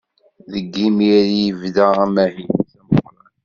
Deg yimir i yebda amahil-is ameqqran.